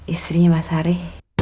istrinya mas ari